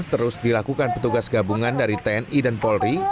terus dilakukan petugas gabungan dari tni dan polri